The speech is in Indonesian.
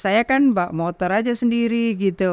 saya kan bawa motor aja sendiri gitu